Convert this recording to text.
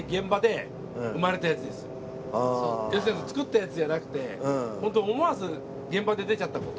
作ったやつじゃなくてホント思わず現場で出ちゃった事。